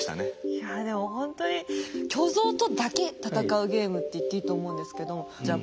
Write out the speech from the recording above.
いやでもほんとに巨像とだけ戦うゲームって言っていいと思うんですけどじゃあ